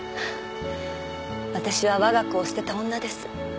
私は我が子を捨てた女です。